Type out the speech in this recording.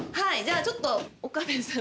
ちょっと岡部さん